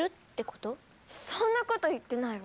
そんなこと言ってないわ。